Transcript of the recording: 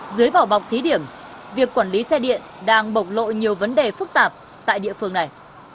dưới vỏ bọc thí điểm việc quản lý xe điện đang bộc lộ nhiều vấn đề phức tạp tại địa phương này